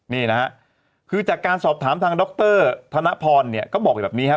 นี่นะครับคือจากการสอบถามทางดรธนพรก็บอกอย่างแบบนี้ครับ